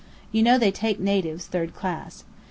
You know they take natives, third class.